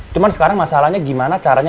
cuma sekarang masalahnya gimana caranya